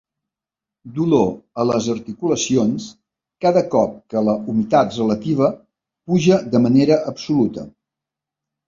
Dolor a les articulacions cada cop que la humitat relativa puja de manera absoluta.